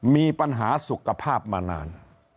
มีปัญหาสุขภาพมานาน